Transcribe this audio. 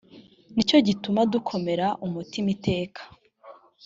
ni cyo gituma dukomera umutima iteka